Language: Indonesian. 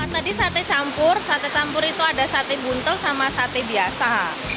tadi sate campur sate campur itu ada sate buntel sama sate biasa